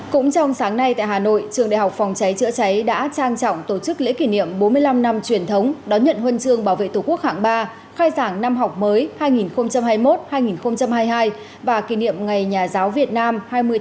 cũng trong sáng nay tại hà nội trường đại học phòng cháy chữa cháy đã trang trọng tổ chức lễ kỷ niệm bốn mươi năm năm truyền thống đón nhận huân chương bảo vệ tổ quốc hạng ba khai giảng năm học mới hai nghìn hai mươi một hai nghìn hai mươi hai và kỷ niệm ngày nhà giáo việt nam hai mươi tháng bốn